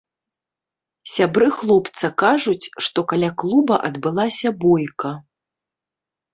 Сябры хлопца кажуць, што каля клуба адбылася бойка.